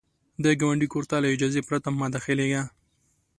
د ګاونډي کور ته له اجازې پرته مه داخلیږه